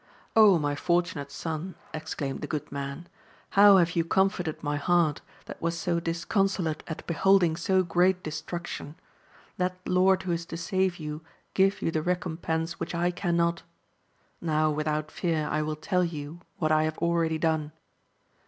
my fortunate son ! exclaimed the good man, how have you comforted my heart, that was so disconsolate at beholding so great destruction ! that Lord who is to save you give you the recompense which I cannot ! Now without fear I will tell you what I have already done.